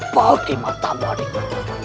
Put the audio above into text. bagi matamu adiko